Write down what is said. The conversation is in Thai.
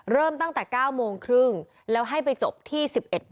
เริ่มตั้งแต่๒๒๓๐แล้วให้ไปจบที่๑๙๓๐